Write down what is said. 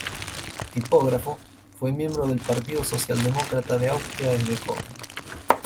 Tipógrafo, fue miembro del Partido Socialdemócrata de Austria desde joven.